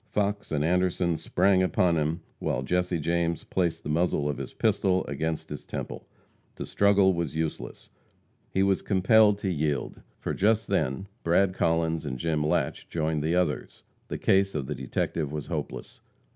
Fox and Anderson sprang upon him, while Jesse James placed the muzzle of his pistol against his temple. To struggle was useless. He was compelled to yield, for just then Brad Collins and Jim Latche joined the others. The case of the detective was hopeless.